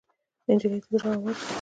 نجلۍ د زړه آواز دی.